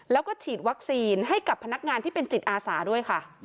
แล้วก็ฉีดวัคซีนให้กับพนักงานที่เป็นจิตอาสาด้วยค่ะ